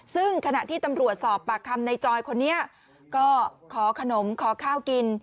ซึ่งขณะที่ตำรวจสอบปากคำในจอยคนนี้ก็ขอขนมขอข้าวกิน